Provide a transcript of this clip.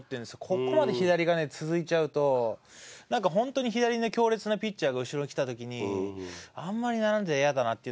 ここまで左がね続いちゃうとなんか本当に左に強烈なピッチャーが後ろにきた時にあんまり並んでたらイヤだなっていうのがある。